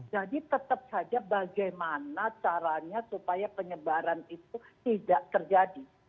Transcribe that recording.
jadi tetap saja bagaimana caranya supaya penyebaran itu tidak terjadi